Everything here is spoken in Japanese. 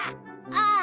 ああ！